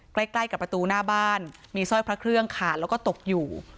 ใกล้ใกล้กับประตูหน้าบ้านมีสร้อยพระเครื่องขาดแล้วก็ตกอยู่